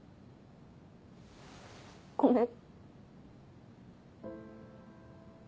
ごめん。